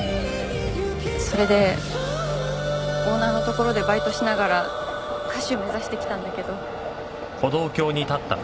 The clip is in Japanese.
それでオーナーのところでバイトしながら歌手目指してきたんだけど。